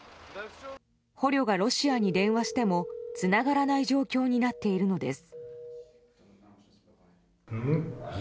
捕虜がロシアに電話してもつながらない状況になっているのです。